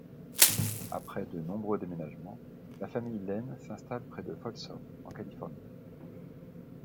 Après de nombreux déménagements, la famille Layne s’installe près de Folsom en Californie.